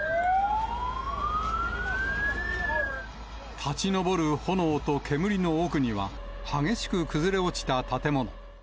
立ち上る炎と煙の奥には、激しく崩れ落ちた建物。